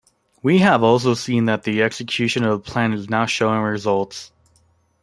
We have also seen that the execution of the plan is now showing results.